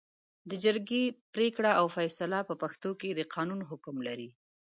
د جرګې پرېکړه او فېصله په پښتو کې د قانون حکم لري